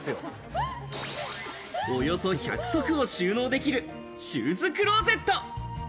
およそ１００足を収納できるシューズクローゼット。